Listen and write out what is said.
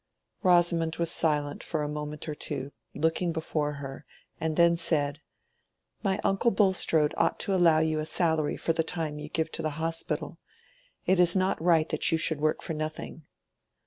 Rosamond was silent for a moment or two, looking before her, and then said, "My uncle Bulstrode ought to allow you a salary for the time you give to the Hospital: it is not right that you should work for nothing."